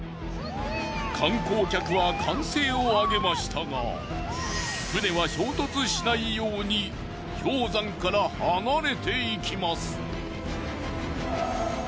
観光客は歓声をあげましたが船は衝突しないように氷山から離れていきます。